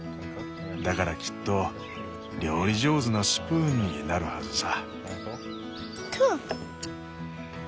だからきっと料理上手なスプーンになるはずさ。